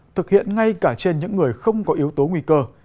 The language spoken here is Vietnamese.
thực hiện ngay cả trên những người không có yếu tố nguy cơ